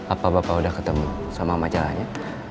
apa bapak udah ketemu sama majalahnya